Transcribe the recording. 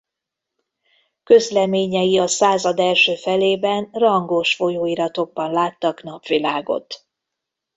Közleményei a század első felében rangos folyóiratokban láttak napvilágot.